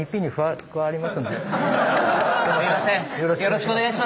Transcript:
すいません。